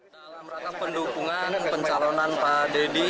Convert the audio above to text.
dalam rangka pendukungan pencalonan pak deddy